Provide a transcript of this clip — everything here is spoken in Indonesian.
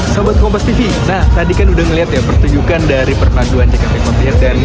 sahabat kompas tv nah tadi kan udah ngelihat yang pertunjukan dari pertarungan ceketnya dan